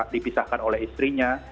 dipisahkan oleh istrinya